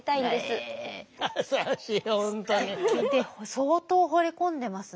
相当ほれ込んでますね。